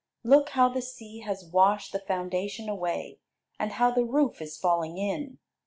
Look how the sea has washed the foundation away, and how the roof is falling in!